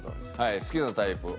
「好きなタイプ温厚